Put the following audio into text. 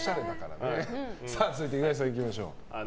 続いて、岩井さんいきましょう。